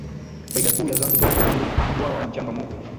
Faida kuu ya Zanzibar ni mabwawa ya mchanga mweupe